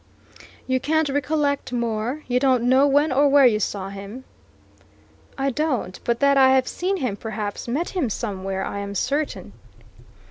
"You can't recollect more? You don't know when or where you saw him?" "I don't. But that I have seen him, perhaps met him, somewhere, I am certain."